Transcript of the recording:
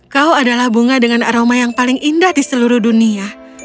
kau adalah bunga dengan aroma yang paling indah di seluruh dunia